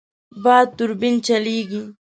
باد توربین چلېږي.